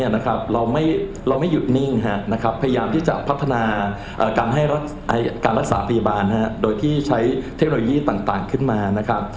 โดยที่ใช้เทคโนโลยีต่างขึ้นมา